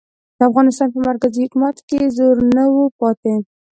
د افغانستان په مرکزي حکومت کې زور نه و پاتې.